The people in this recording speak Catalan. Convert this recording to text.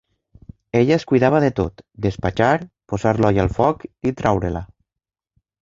Ella es cuidava de tot: despatxar, posar l'olla al foc i treure-la